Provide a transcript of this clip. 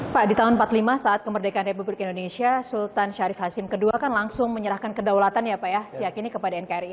pak di tahun seribu sembilan ratus empat puluh lima saat kemerdekaan republik indonesia sultan syarif hasim ii kan langsung menyerahkan kedaulatan ya pak ya siak ini kepada nkri